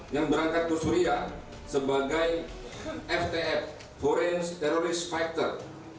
yang berangkat ke suriah sebagai ftf foreign terrorist factor